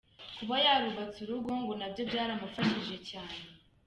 Kuba yarubatse urugo ngo nabyo byaramufashije cyane.